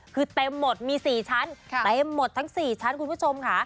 คือเต็มหมดมี๔ชั้นเต็มหมดทั้ง๔ชั้นคุณผู้ชมค่ะ